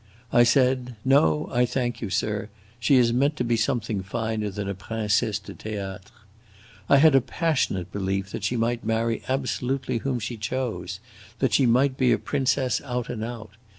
I said, 'No, I thank you, sir; she is meant to be something finer than a princesse de theatre.' I had a passionate belief that she might marry absolutely whom she chose, that she might be a princess out and out.